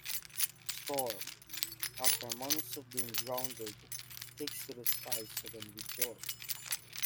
Storm, after months of being grounded, takes to the skies again with joy.